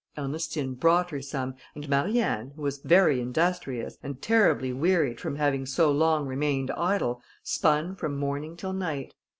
Ernestine bought her some, and Marianne, who was very industrious, and terribly wearied from having so long remained idle, spun from morning till night.